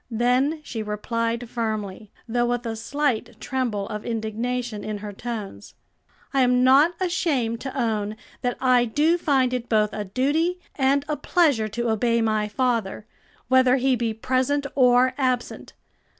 Then she replied firmly, though with a slight tremble of indignation in her tones: "I am not ashamed to own that I do find it both a duty and a pleasure to obey my father, whether he be present or absent.